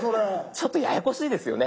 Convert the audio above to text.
ちょっとややこしいですよね。